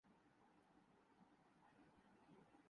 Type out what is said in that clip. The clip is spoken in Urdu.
لیکن سیکورٹی فورس بلیک میل ہونا چکنا ہونا